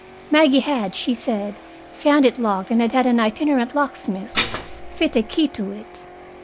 Maggie had, she said, found it locked and had had an itinerant locksmith fit a key to it.